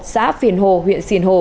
xã phiền hồ huyện xìn hồ